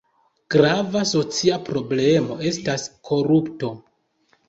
Grava socia problemo estas korupto.